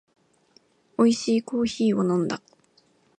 おいしいコーヒーを飲んだ